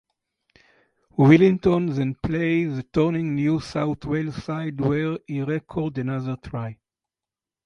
Wellington then played the touring New South Wales side where he scored another try.